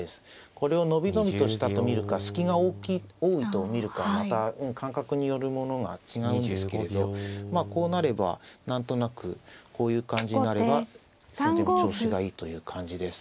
これを伸び伸びとしたと見るか隙が大きい多いと見るかまた感覚によるものが違うんですけれどまあこうなれば何となくこういう感じになれば先手の調子がいいという感じです。